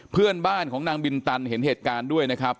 เพื่อนบ้านของนางบินตันเห็นเหตุการณ์ด้วยนะครับ